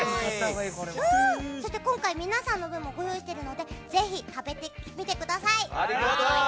そして今回皆さんの分もご用意しているのでぜひ食べてみてください。